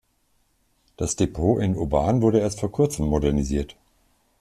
Das Depot in Oban wurde erst vor kurzem modernisiert.